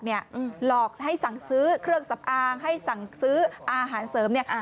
หลอกให้สั่งซื้อเครื่องสำอางให้สั่งซื้ออาหารเสริม